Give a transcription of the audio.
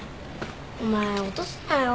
お前落とすなよ。